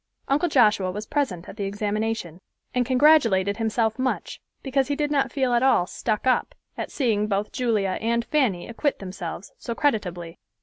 Uncle Joshua was present at the examination, and congratulated himself much because he did not feel at all "stuck up" at seeing both Julia and Fanny acquit themselves so creditably.